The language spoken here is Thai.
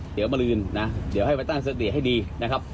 เดี๋ยวมาลืนนะอีกตั้งสติให้ดีนะครับ